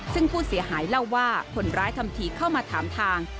ซึ่งผู้เสียหายเล่าว่าคนร้ายทำทีเข้ามาถามทาง